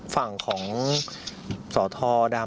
พี่ก็ต่อยพ่อผม